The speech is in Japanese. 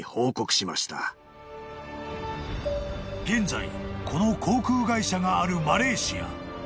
［現在この航空会社があるマレーシア］